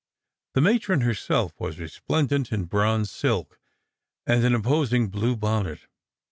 The matron herself was resplendent in bronze silk, and an imposing blue bonnet.